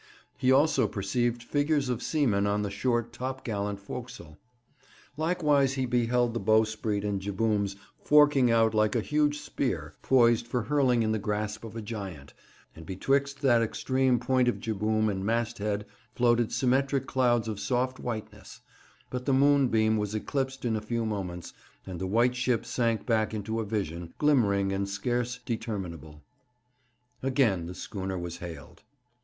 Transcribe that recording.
He also perceived figures of seamen on the short topgallant forecastle; likewise he beheld the bowsprit and jibbooms forking out like a huge spear, poised for hurling in the grasp of a giant, and betwixt that extreme point of jibboom and masthead floated symmetric clouds of soft whiteness; but the moonbeam was eclipsed in a few moments, and the white ship sank back into a vision, glimmering and scarce determinable. Again the schooner was hailed.